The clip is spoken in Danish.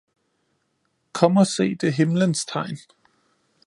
Kom og se det himlens tegn